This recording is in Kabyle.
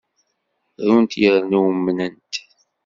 Runt yerna umnent.